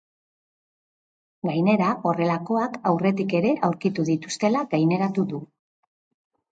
Gainera, horrelakoak aurretik ere aurkitu dituztela gaineratu du.